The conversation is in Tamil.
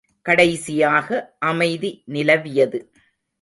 கடைசியாக அமைதி நிலவியது.